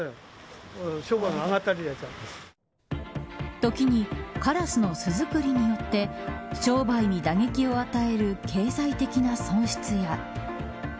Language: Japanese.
時に、カラスの巣作りによって商売に打撃を与える経済的な損失や。